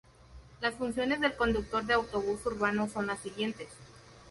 Las funciones del conductor de autobús urbano son las siguientes.